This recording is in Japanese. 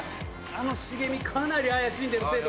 あの茂みかなり怪しんでる生徒が。